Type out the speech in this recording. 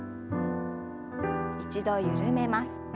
一度緩めます。